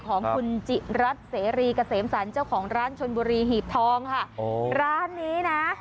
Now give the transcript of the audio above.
ของคุณจิรัตน์เสรีเกษมสรรเจ้าของร้านชนบุรีหีบทองค่ะโอ้ร้านนี้นะ